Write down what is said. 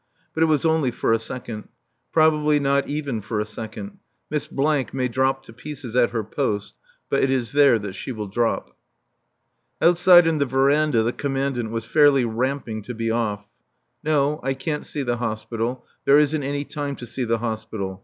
But it was only for a second. Probably not even for a second. Miss may drop to pieces at her post, but it is there that she will drop. Outside on the verandah the Commandant was fairly ramping to be off. No I can't see the Hospital. There isn't any time to see the Hospital.